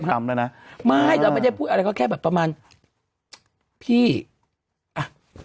ทำแล้วนะไม่เราไม่ได้พูดอะไรก็แค่แบบประมาณพี่อ่ะ